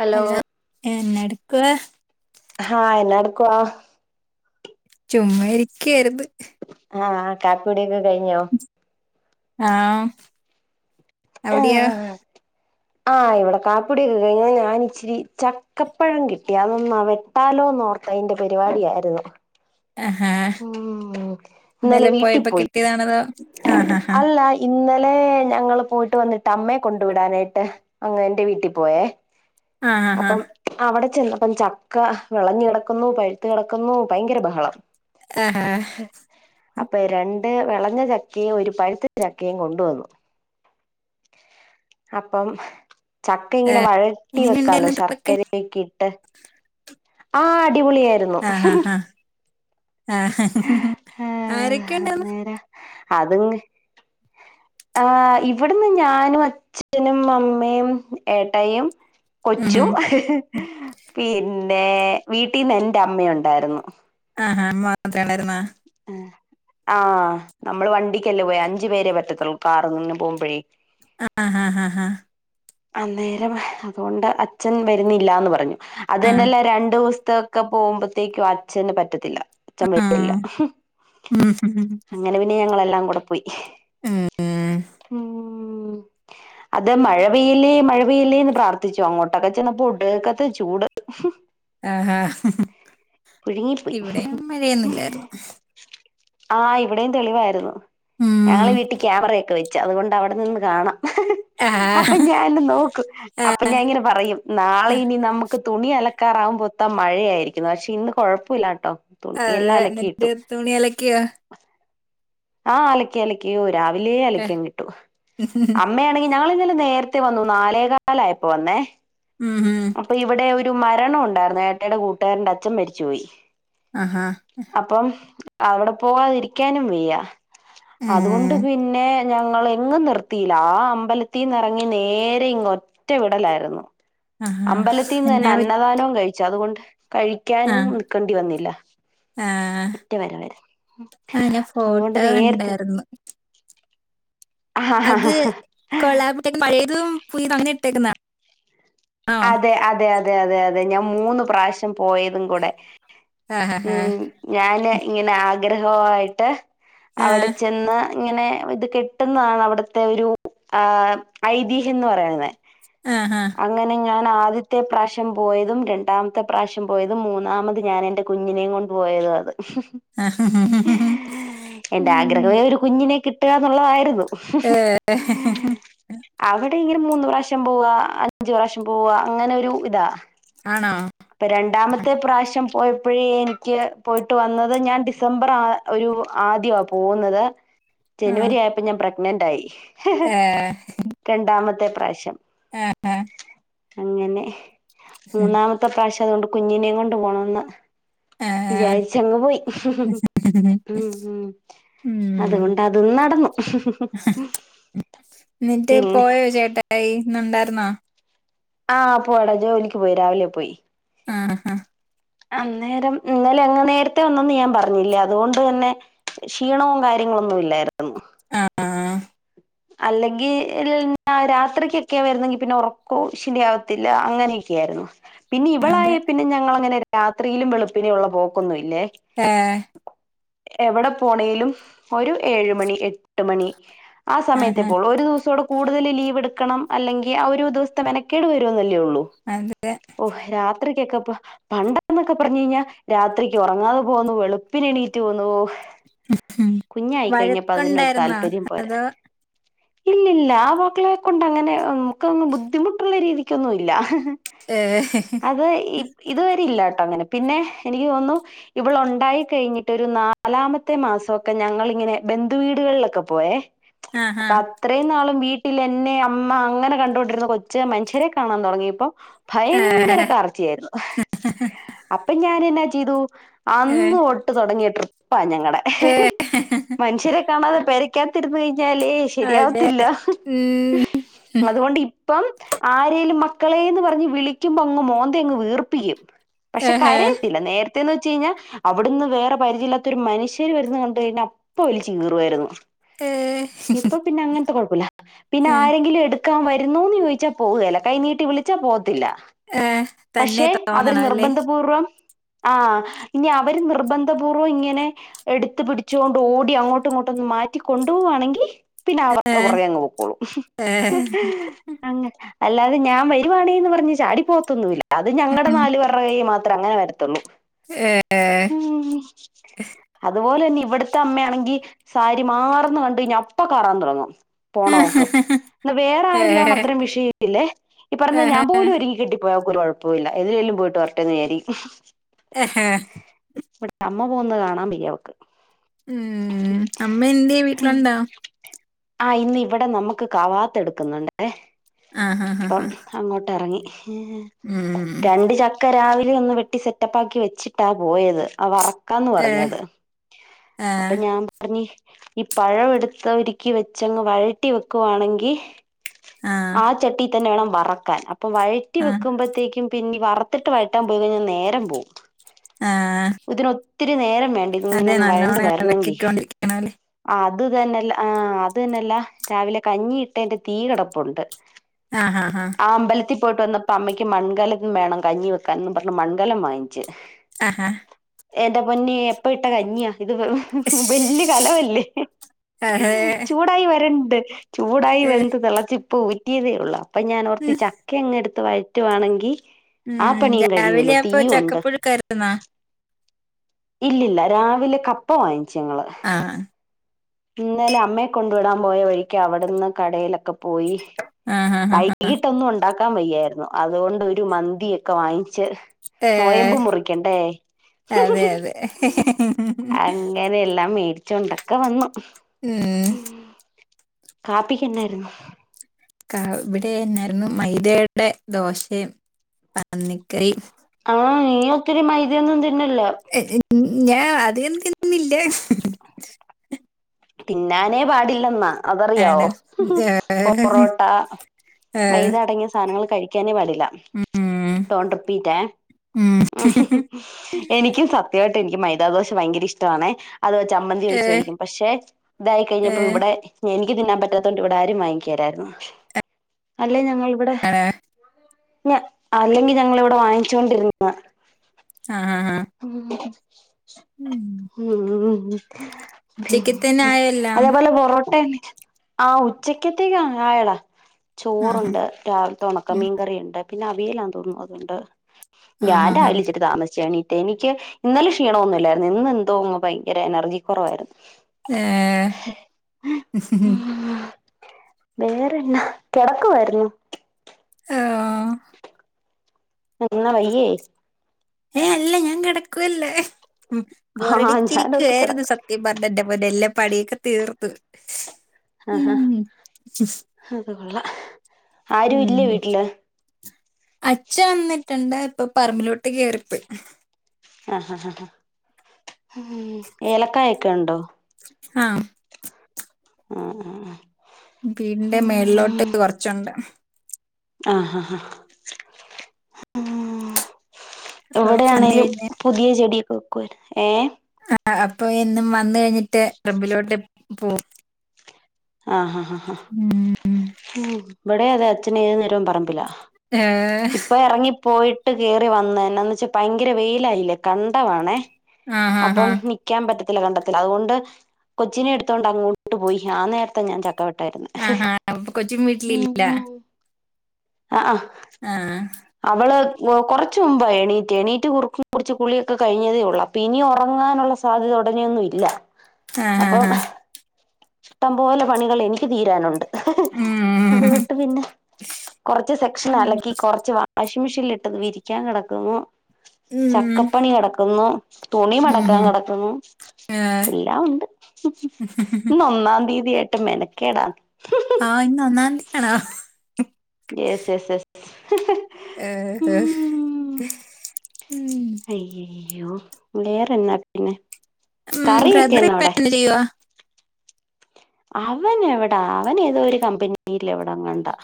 Hello അല്ലാ ഏന്നെട് ക്ക്യവാ ക്ക്യാ ചുമ്മാരിക്കായിര്ന്ന് ആഹ് കാപ്പിടിക്കെ ക കഴിഞ്ഞോ ആഹ് അവ്ടിയോ ആഹ് ഇവിടെ കാപ്പിടിയൊക്കെ കഴിഞ്ഞു. ഞാൻ ഇച്ചിരി ചക്കപ്പഴം കിട്ടി. അതൊന്ന് വെട്ടാലോന്നോർത്തയിന്റെ പരിപാടിയായിരുന്നു ആഹാ. ഉം ഇന്നലെ വീട്ടിൽ പോയപ്പോ പോയി കിട്ടിയതാണതോ ആഹാഹാ ല്ലേ ഞങ്ങള് പോയിട്ട് വന്നിട്ട്. അമ്മയെ കൊണ്ട് വിടാനയിട്ട്. അങനെ എൻ്റെ വീട്ടിപോയേ ആഹാ ഹാ അപ്പം അവടെ ചെന്ന അപ്പം ചക്ക വെളഞ്ഞ് കെടക്കുന്നു പഴുത്ത് കെടക്കുന്നു ഭയങ്കര ബഹളം ആഹാഹ് അപ്പൊ രണ്ട് വെളഞ്ഞ ചക്കീം ഒരു പഴുത്ത ചക്കീം കൊണ്ടുവന്നു. അപ്പം ചക്ക ഏഹ് ഇങ്ങനെ വഴട്ടി വെ എങ്ങനെയുണ്ടായിരുന്നു ട്രിപ്പൊക്കെ ശർക്കരയ ഒക്കെ ഇട്ട് ആ അടിപൊളിയായിരുന്നു ആഹാ ഹാ ആഹ് ആരൊക്കെ ഉണ്ടായിരുന്നു അന്നേര അത് ആ ഇവിടുന്ന് ഞാനും അച്ഛനും അമ്മയും ഏട്ടയും ഉം കൊച്ചും പിന്നെ വീട്ടിൽന്ന് എറെ അമ്മയ ഉണ്ടായിരുന്നു ആഹാ മാത്രേണായിരുന്ന ആഹ് നമ്മള് വണ്ടിക്കല്ലേ പോയാ അഞ്ചു പേരെ പറ്റത്തുള്ളൂ കാറും കൊണ്ട് പോകുമ്പോഴേ ആഹ് ആഹ് ആഹ് ആഹ അന്നേരം അതുകൊണ്ട് അച്ഛൻ വരുന്നില്ലന്ന് പറഞ്ഞു അത് ആഹ് തന്നെയല്ലേ രണ്ട് ഒക്കെ പോകുമ്പോഴത്തേക്കും അച്ഛന് പറ്റത്തില്ല അച്ഛൻ ആഹ് വരുത്തില്ല ഉം ഉം അങ്ങനെ പിന്നെ ഞങ്ങളെല്ലാം കൂടെ പോയി ഉം. ഉം ഉ അത മഴ മഴവില്ലേ മഴവല്ലേന്ന് പ്രാർത്ഥിച്ചു അങ്ങോട്ടൊക്കെ ചെന്നപ്പോ ഉടക്ക ചൂട് ആഹഹ പുഴുങ്ങിപ്പോയി ഇവിടെ മഴയൊന്നില്ലായിരുന്നു ആഹ് ഇവിടെയും തെളിവായിരുന്നു ഞങ്ങള് ഉം വീട്ടിൽ ക്യാമറയൊക്കെ വെച്ചു അതുകൊണ്ട് അവിടെ നിന്ന് കാണാം അപ്പൊ ആഹ് ഞൻ നോക്കും അപ്പൊ ഞാൻ ഇങ്ങനെ പറയും നാളെ ഇനി നമുക്ക് തുണി അലക്കാറാവകുമ്പൊത്താ മഴയായിരിക്കുന്നു പക്ഷെ ഇന്ന് കൊഴപ്പമില്ല കേട്ടോ അ എന്നിട്ട് തുണി അലക്കി അലക്കിയോ ആഹ് അലക്കി അലക്കിഓര് രാവിലെ അലിക്കാൻ കിട്ടു ഏഹ് അമ്മ ആണെങ്കിൽ ഞ - നേരത്തെ വന്നു നാലേകാലയപ്പോ വന്നേ മ്ഹും. അപ്പൊ ഇവിടെ ഒരു മരണ ഉണ്ടായിരുന്നു ഏട്ടയുടെ കൂട്ടുകാരന്റെ അച്ഛൻ മരിച്ചുപോയി ആഹഹ അപ്പം അവിടെ പോവാാതിരിക്കാനും വെയ്യ അതുകൊണ്ട് ഏഹ്. പിന്നെ ഞങ്ങൾ എങ്ങും നിർത്തിയില്ല ആ അമ്പലത്തിന്ന ഇറങ്ങി നേരെ ഇങ്ങ ഒറ്റ വിടലായിരുന്നു ആഹാ. അമ്പലത്തിൽ നിന്ന് എന്നാ തന്നെ പറ്റി അന്നദാനവും കഴിച്ചു അതുകൊണ്ട് കഴിക്കാനും ആഹ്. നിക്കേണ്ടി വ ആഹ്. ഒറ്റേ വരെ വരെ ആ ഞാൻ [inaudible] അതുകൊണ്ട് ഫോട്ടോ നേരത്തെ കണ്ടായിരുന്നു. ആ അത് കൊള്ള [unintelligible] പഴയതും പുതിയതും അങ്ങനെ ഇട്ടേക്കുന്നെ അതെ അതെ അതെ അതെ അതെ അതെ ഞാൻ മൂന്ന് പ്രാവശ്യം പോയതും കൂടെ ആഹാഹാ. ഉം ഞാന് ഇങ്ങനെ ആഗ്രഹോ ആയിട്ട് അവിടെ ആഹ്. ചെന്ന് അങ്ങനെ ഇത് കിട്ടുന്നതാണ് അവിടുത്തെ ഒരു ആ ഐതിഹ്യം എന്ന് പറയുന്നത് ആഹാ. അങ്ങനെ ഞാൻ ഞാൻ ആദ്യത്തെ പ്രാശ്യം പോയതും രണ്ടാമത്തെ പ്രാശ്യം പോയതും മൂന്നാമത് ഞാൻ എൻ്റെ കുഞ്ഞിനെയും കൊണ്ട് പോയതും അത് [inaudible] എന്റെ ആഗ്രഹേ ഒരു കുഞ്ഞിനെ കിട്ട കിട്ട [unintelligible] ത്വള്ളതായിരുന്നു ഏ ഏ [unintelligible] [inaudible] [unintelligible] ങ്കിലും മൂന്ന് പ്രാവശ്യം പോവ അഞ്ചു വർഷം പോവ അങ്ങനെ ഒരു ഇതാ ആണോ? അപ്പൊ രണ്ടാമത്തെ പ്രാവശ്യം പോയപ്പോഴേ എനിക്ക് പോയിട്ട് വന്നത് ഞാൻ ഡിസംബർ ആ ഒരു ആദ്യ വാ പോകുന്നത് ആഹ്. ജനുവരി ആയപ്പോ ഞാൻ പ്ര നന്റ് ആയി ഏഹ് തെ പ്രാവശ്യം ആഹ ഹഹ അങ്ങനെ മൂന്നാമ പക്ഷെ അതുകൊണ്ട് കുഞ്ഞിനെയും കൊണ്ട് പോണംന്ന് ആഹ്. വിചാരിച്ചങ്ങ് പോയി ഉം ഉം ഉം. അതുകൊണ്ട് അതും നടന്നു എന്നിട്ട് പിന്നെ പോയോ ചേട്ടായി? ഇന്നുണ്ടായിരുന്നോ? ആഹ് പോടാ ജോലിക്ക് പോയി രാവിലെ പോയി ആഹ് ഹ് ഹ് അന്നേരം ഇന്നലെ അങ്ങ് നേരത്തെ വന്നെന്നും ഞാൻ പറഞ്ഞില്ല അതുകൊണ്ട് തന്നെ ക്ഷീണവും കാര്യങ്ങളൊന്നും ഇല്ലായിരുന്നു ആഹാ ആഹാ [inaudible] അല്ലെങ്കിൽ രാത്രിക്ക് ക്കൊക്കെ വരുന്നെങ്കിൽ പിന്നെ ഉറ [unintelligible] ശരി ആവത്തില്ല അങ്ങനെയൊക്കെ ആയിരുന്നു പിന്നെ ഇവളായ അതെ. പിന്നെ ഞങ്ങൾങ്ങനെ രാത്രിയിലും വെളുപ്പിനേ ഉള്ള പോക്കൊന്നും ഇ ഏഹ് എവടെ പോണേലും ഒരു ഏഴ് മണി എട്ട് മണി ആ ആഹാ. സമയത്തിപ്പോൾ ഒരു ദിവസോടേ കൂടുതൽ ലീവ് എടുക്കണം അല്ലെങ്കിൽ ആ ഒരു ദിവസത്തെ മെന കേട് വരുവൊന്നു യൊള്ളൂ. അതെ. ഓ രാത്രിക്കെക്കെ പ പണ്ട് എന്നൊക്കെ പറഞ്ഞ് കഴിഞ്ഞാ രാത്രിക്ക് ഒറങ്ങാതെ പോവുന്നു വെളുപ്പിന് എണീറ്റ് പോവുന്നു. ഓഹ്. കുഞ്ഞായി കഴിഞ്ഞപ്പോ അതിനൊരു വഴക്കുണ്ടായിരുന്നോ? അതോ, ഇല്ലല്ല, ആ മക്കളെ കൊണ്ട് അങ്ങനെ ഉം. ക്കൊന്ന് ബുദ്ധിമു ഇള്ള രീതിക്കൊന്നും ഇല്ല. ഏ അത് ഇ ഇതുവരെ ഇല്ലാട്ടോ അങ്ങനെ. പിന്നെ എനിക്ക് തോന്നുന്നു ഇവൾ ഒണ്ടായി കഴിഞ്ഞിട്ട് ഒരു നാലാമത്തെ മാസൊക്കെ ഞങ്ങളിങ്ങനെ ബന്ധുവീടുകളിലൊക്കെ പോയേ. ആഹാ അപ്പൊ അത്രയും നാളും വീ ട്ടിൽ എന്നെ അമ്മ അങ്ങനെ കണ്ടോണ്ടിരുന്ന കൊ ച്ച് മനുഷ്യരെ കാണാൻ തൊടങ്ങിയപ്പോ, ഏ ഭയങ്കര കാർച്ച ആയിരുന്നു അപ്പൊ ഞാനെന്നാ ട്ടിതൂ ഏ അന്ന് ഒട്ട് തൊടങ്ങിയ ട്രീ പ്പാ ഞങ്ങടെ ഏ മനുഷ്യരെ കാണാതെ പെര ക്കകത്തിര്ന്നെ ഞാലേ അതെ ശരിയാവത്തില്ല ഉം ഉം, അതുകൊണ്ട് ഇ പ്പം ആരേലും മക്കളേന്ന് പറഞ്ഞ് വിളിക്കുമ്പൊങ്ങ് മോന്തയങ്ങ് വീർപ്പിക്കും പക്ഷെ ഏഹ്, കരയത്തില്ല നേര ത്യന്ന് വെച്ചയ്ഞ്ഞാ അവിടുന്ന് വേറെ പരിചയല്ലാത്ത ഒരു മനുഷ്യര് വരുന്നു കണ്ട് കയ്ഞ്ഞാ അപ്പ വിളിച്ചു കീറുവാരുന്നു ഏ ഇപ്പൊ പിന്നെ അങ്ങ പ്പൊ കൊഴുപ്പുല്ല പിന്നെ ഏ, ആരെങ്കിലും എടു ക്കാ വര് രൂന്നോന്ന് ചോയിച്ചാ പോവുകേല കൈനീട്ടി വിളിച്ചാ പോകത്തില്ല ഏ, തന്നെ പക്ഷെ അവര് തോന്നണം അല്ലേ നിർബന്ധപൂർവ്വം ആ ഇനി അവര് നിർബന്ധപൂർവ്വം ഇങ്ങനെ എടുത്ത് പിടിച്ചോണ്ട് ഓടി അങ്ങോട്ടു ഇങ്ങോട്ടൊന്ന് മാറ്റി കൊണ്ടുപോവാണെങ്കി പിന്നെ ഏ, [unintelligible] കുറേ അങ്ങ് പൊക്കോളൂ ഏ, അങ്ങ് അല്ലാതെ ഞാൻ വരുവാണെന്ന് പറഞ്ഞ് ചാടി പോവത്തൊന്നൂല്ല അത് ഞങ്ങടെ ഉം, നാല് വേറേയു മാത്രേ അങ്ങനെ വരത്തൊള്ളൂ ഏ, ഹും അതുപോലെന്നെ ഇവ്ടത്തെ അമ്മയാണെങ്കി സാരി മാറന്ന് കണ്ട് കഴിഞ്ഞ അപ്പ കാറാൻ തൊടങ്ങും പോണംന്നു നോക്കും എന്നാ വേറെ ഏ, ആരെലോണ വിഷയമി ല്ലേ ഈ പറഞ്ഞ ഏ, ഞാൻ പോലും ഒരുങ്ങി കെട്ടി പോകും നമുക്ക് കുഴപ്പമില്ല എവിടെലും പോയിട്ട് വര ട്ടേന്ന് വിചാരിക്കും ഹ പട്ടേ അമ്മ പോകുന്നത് കാണാൻ വയ്യ അവക്ക് ഉം അമ്മ എഎന്ടെ വീട്ടിലുണ്ടാ ആ ഇന്ന് ഇവിടെ നമുക്ക് കവാത്ത് എടുക്കുന്നുണ്ട് ഏ ആഹാ ഹാ അപ്പം ഹാ അങ്ങോട്ട് ഇറങ്ങി ഉം രണ്ട് ചക്കരവി [inaudible] സെറ്റപ്പാക്കി വെച്ചിട്ടാ പോയത് ച ക്കാന്ന് ഏ പറഞ്ഞത് ആ അപ്പൊ ഞാൻ പറഞ്ഞി ഈ പഴം എടുത്ത് ഒരുക്കി വെച്ചങ്ങ് വഴട്ടി വെക്കുവാണെങ്കിൽ ആ ചട്ടി തന്നെ വേണം വറക്കാൻ അപ്പം വഴറ്റി ആ വെക്കുമ്പോഴത്തേക്കും പിന്നെ വറത്തിട്ട് വഴട്ടാൻ പോയി കഴിഞ്ഞാൽ നേരം പോകവും ആഹ ഒത്തിരി നേരം വേണ്ടത് ഇങ്ങനെങ് വഴണ്ട വരണെങ്കിൽ ഇളക്കിക്കൊണ്ടിരിക്കണം അല്ലേ അത് തന്നെഅ ല്ല അത് തന്നെല്ലാം രാവിലെ കഞ്ഞി ഇട്ടതി്ന്റെ തീ കിടപ്പുണ്ട് ആഹ് ആഹ് ആഹ ആ അമ്പലത്തിൽ പോയിട്ട് വന്നപ്പോ അമ്മയ്ക്ക് മൺകലം വേണം കഞ്ഞി വെക്കാ ൻ എന്ന് പറഞ്ഞഞ് മൺകലം വങ്ങി ആഹഹാ എന്റൊ പൊന്നി എപ്പ ഇട്ടാ കഞ്ഞിയാ ഇത് വലിയ ഇശ്ശ്. കലമല്ലെ അതെ ചൂടായി വരുന്നു വരുന്നുണ്ട് ചൂടായി ഏഹ് വെന്ത് തിളച്ചി ഇപ്പോൾ ഊറ്റിയതേ ഒള്ളൂ അപ്പ ഞാൻഓർത് ഉം ചക്കഅങ്ങെ ടുത്ത് വയറ്റുവാണെങ്കിൽ ഉം രാവിലെയപ്പോ ഉണ്ട് ചക്കപ്പുഴുകാരുന്നാ ഇല്ലില്ല രാവിലെ കപ്പ വാങ് ചെങ്ങള് ആഹ് ഇന്നലെ അമ്മെ കൊണ്ട് വിടാൻ പോയ വഴി കവടന്ന് കടേലൊക്കെ പോയി ആഹ് ആഹ് ആഹ് വൈകിട്ടൊന്നും ഉണ്ടാക് [unintelligible] വയ്യാര്ന്നു അതുകൊണ്ടൊരു മന്തിയൊക്കെ വാങ്ങിച്ച് നൊയമ്പ് ഏഹ് മുറിക്കണ്ടേ അതെ അതെ അങ്ങനെയെല്ലാം മേടി ച്ചോണ്ടൊക്കെ വന്ന് ഉം ഹം കാപ്പികെന്നായിരുന്നു കാ ഇവിടെ എന്നാരുന്നു മൈദേടെ ദോശേം പന്നികറി ആ നീ ഒത്തിരി മൈദയൊന്നും തി എ എൻ ഞാ അതികംതിന്നില്ല തിന്നാനേ പാടില്ലന്നാ ആണ് അതറിയാവോ പൊറോട്ട ഏഹ് മൈദ അടങ്ങിയാവോ പൊറോട്ട ഏഹ് മൈദ അടങ്ങിയ സാനങ്ങള് കഴിക്കാനേ പാടില്ല ഉം ഡോണ്ട് റിപ്പീറ്റേ ഉം എനിക്കും സത്യായ് ട്ടെനിക്ക് മൈദാദോശ ഭയ്ങ്കരിഷ്ടവാണെ അത് വെച് ചമ്മന്തി ഒഴിച് ഏഹ് കഴിക്കും പക്ഷെ ഇതായ് കഴിഞ്ഞപ്പം ഏഹ് ഇവിടെ എനിക്ക് തിന്നാൻ പറ്റാതോണ്ട് ഇവിടാരും വായ്കേലാരുന്നു അല്ലെ ഞാ ങ്ങ ഇവിടെ ആണോ ഞാ അല്ലെങ്കി ഞങ്ങളിവിടെ വാങ്ങിചോണ്ടിരുന്നതാ ആഹ് ആഹ് ആഹ് ഉം ഉം ഉം ഉച്ചക്കത്തന്നെ പിന്നെ ആയോ എല്ലാം അതേപോലെ പൊറോട്ട [unintelligible] ആ ഉച്ചക്കതേകായടാ ആഹ് ചോറുണ്ട് രാവി തൊണക്ക മീകറിയൊണ്ട് പിന്നവിയലാന്ന് തോന്നുന്നു അതുണ്ട് ഞാൻ ആഹ് ആഹ് ആഹ് രാവിലെ ഇച്ചിരി താമസ് ച്ചാ എണി റ്റെ എനിക്ക് ഇന്നലെ ഷിണവൊന്നു ഇല്ലാരുന്നു ഇന്ന് എന്തോ അങ്ങു ഭയ്ങ്കരെ എനർജി കൊറവാരുന്നു ഏ വേറെന്നാ കെടക്കുവാരുന്നൊ ഓഹ് എന്നാ വയ്യേ ഏ അല്ല ഞാൻ കെടക്കുവല്ലാ ഉം ആഹ് ഞാനോർത്ത് ബോറടിച്ചിരിക്കുവായ്രുന്നു കിടക്ക സത്യം പറഞ്ഞന്റെ പൊന്നേ എല്ലാം പണിയൊക്കെ തീർ ത് ആ അത്കൊള്ള ആരു ഇല്ലേ വീട്ടില് അച്ഛ വന്നിട്ടുണ്ട് ഇപ്പൊ പറമ്പിലോട്ട് കേറിപ്പോയ് ഉ ഏലക്കായ ഒക്കെ ഒണ്ടോ ആ ആ ആഹ് ആ വീടിന്റെ മേളിലോട്ട് കൊറച്ചൊണ്ട് ആ ഹ ഹ അപ്പൊ വന്നു എവിടെയാണേലും കഴിഞ്ഞ പുതിയ ചെടി ഏ ആ അപ്പൊ എന്നും വന്ന് കഴിഞ്ഞിട്ട് പറമ്പിലോട്ട് പോം ആ ഹ ഹ ഹാ ഉം ഇവിടേ അതെ അച്ഛന് ഏതുനേരവും പറമ്പില ഏ പോയിട്ട് കേറിവന്ന് എന്നാന്ന് വെച്ചാ ഭയങ്കര വെയിലായില്ലെ കണ്ടവാണേ ആ ഹാ ഹാ അപ്പം നിക്കാൻ പറ്റ- കണ്ടതില കണ്ടതില അതുകൊണ്ട് കൊച്ചിനെ എടുത്തോണ്ട് അങ്ങോട്ട് പോയി ആ നേര- ഞാൻ ചക്കവെട്ട- ആ ഹാ അപ്പൊ കൊച്ചുംവീട്ടിലില്ല ആ ആ ആ അവള് കൊറച്ച് മുമ്പാ എണീറ്റെ എണീറ്റ് കുറുക്കും കുടിച്ച് കുളിയൊക്കെ കഴിഞ്ഞതെ ഒള്ളൂ അപ്പൊ ഇനി ഒറങ്ങാനുള്ള സാധ്യത ഒടനെയൊന്നും ഇല്ല ആ ആ ആ ഇഷ്ടംപോലെ പണികളെനിക്ക് തീരാനൊണ്ട് ഉം അത്കൊട്ട് പിന്നെ കൊറച്ച് സെക്ഷൻ ഉം അലക്കി കൊറച്ച് വാ- വാഷിംഗ് മിഷിനില് ഇട്ടത് വിരിക്കാൻ കെടക്കുന്നു ഉം ചക്കപ്പണി കെടക്കുന്നു തുണി ഉം മടക്കാൻ ഉം. കെടക്കുന്നു ഏ എല്ലാവൊണ്ട് ഇന്ന് ഒന്നാം തീതി- യേട്ട് മെനക്കേടാ ആ ഇന്ന് ഒന്നാംതിയാണോ യേസ് ഏസ് എസ് ഏ ഏ അയ്യയ്യോ വേറെ എന്നാ പിന്നെ ഉ കറിയൊക്കെ ബ്രദറി എന്നാ ഇപ്പ ചെയ്യവാ അവനെവെടാ അവനേതോ ഒരു കമ്പനിയിലവിടങ്ങാണ്ടാ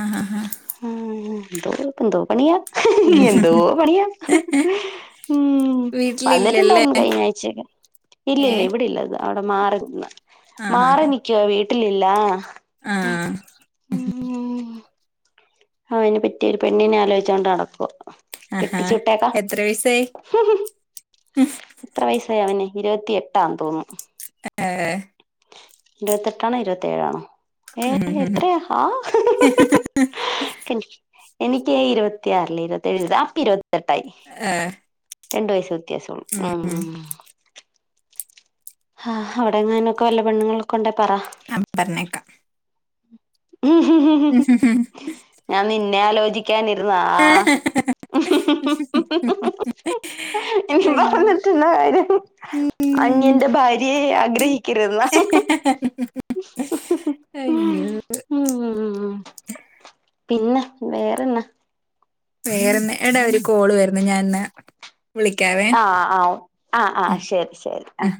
ആഹ ആഹ് ആഹ ന്തോപ്പന്തോ പണിയ ന എന്തോ പണിയാ ഉം വീട്ടിലില്ലല്ലേ വന്നിട്ടുണ്ടായിരുന്നു കഴിഞ്ഞ ആഴ്ചക്കെ ഏ ഇല്ലല്ല ഇവിടെല്ലത് അവിടെ മാറന്ന് മാറി നിക്ക വീട്ടി ട്ടിലില്ല ആ ആഹ് അയിന് പറ്റിയൊരു പെണ്ണിനെ ആലോചിച്ചുകോണ്ട് നടക്കുവ ആഹാ കെട്ടിച്ചുവിട്ടേക്കാ എത്ര വയസായി എത്ര വയസ്സായി അവനെ ഇരുപത്തിയട്ടാ തോന്നുന്നു ഏഹ് ഇരുപത്തെട്ടാണോ ഇരുപത്തി ഏഴാണോ ഏ ഉം ഉം എത്രയാ ആഹ എനിക്കെ ഇരുപത്തിയാർല ഇരുപത്തിഏഴ അപ്പ ഇരു തെട്ടായി ഏഹ് രണ്ടു വയസ ത്യാസ ഉള്ള ഉം ഉ ആഹ് അവിടെങ്ങാനൊക്കെ വല്ല പെണ്ണങ്ങൾക്ക കൊണ്ടേ പറ അ പർനേക്ക ഞാൻ നിന്നെ ആലോചി [unintelligible] ഇനി അയ്യോ പറഞ്ഞിട്ടുന്ന കാര്യം അൻ ഭാര്യ ഉം ആഗ്രഹിക്കരുതെന്ന അയ്യോ ഉം പിന്നെ വേറെന്നാ? വേറെന്ന് എടാ ഒരു കോള് വര്ന്ന് ഞാൻന്ന് ആ ആ ആ ആ ഉം ശരി ശരി ഉം ആ